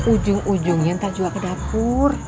ujung ujungnya ntar jual ke dapur